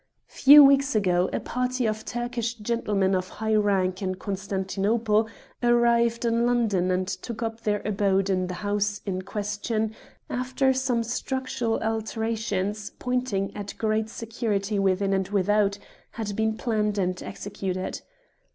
"Four weeks ago a party of Turkish gentlemen of high rank in Constantinople, arrived in London and took up their abode in the house in question, after some structural alterations, pointing at great security within and without, had been planned and executed.